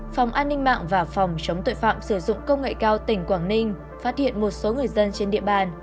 phòng an ninh mạng và phòng chống tội phạm sử dụng công nghệ cao tỉnh quảng ninh phát hiện một số người dân trên địa bàn